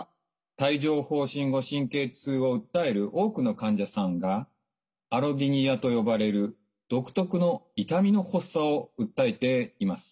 帯状ほう疹後神経痛を訴える多くの患者さんがアロディニアと呼ばれる独特の痛みの発作を訴えています。